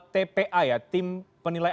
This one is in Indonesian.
tpa ya tim penilai